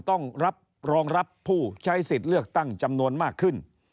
ต้องรับรองรับผู้ใช้สิทธิ์เลือกตั้งจำนวนมากขึ้น